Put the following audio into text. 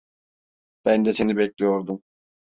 Ben de seni bekliyordum.